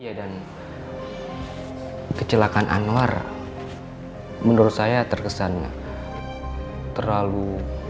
ya dan kecelakaan anwar menurut saya terkesan terlalu